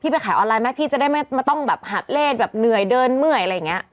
ไปขายออนไลน์ไหมพี่จะได้ไม่ต้องแบบหัดเลขแบบเหนื่อยเดินเมื่อยอะไรอย่างนี้